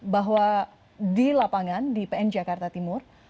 bahwa di lapangan di pn jakarta timur